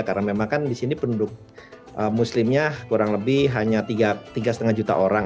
karena memang kan di sini penduduk muslimnya kurang lebih hanya tiga lima juta orang